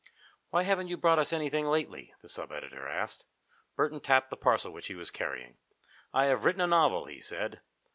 "Why haven't you brought us anything lately?" the sub editor asked. Burton tapped the parcel which he was carrying. "I have written a novel," he said.